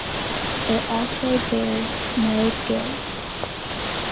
It also bears no gills.